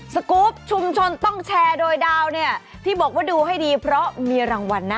สกรูปชุมชนต้องแชร์โดยดาวเนี่ยที่บอกว่าดูให้ดีเพราะมีรางวัลนะ